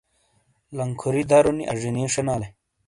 لنکھوری درونی اجینی شینالے۔